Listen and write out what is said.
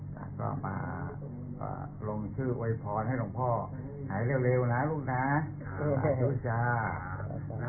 ก็มาลงชื่ออวยพรให้หลวงพ่อหายเร็วนะลูกน้าหายรู้จัก